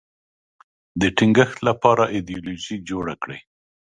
د ټینګښت لپاره ایدیالوژي جوړه کړي